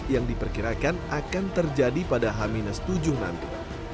yang diperkirakan akan terjadi pada h tujuh nanti